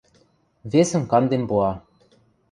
Весӹм канден пуа.